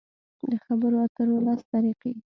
د خبرو اترو لس طریقې: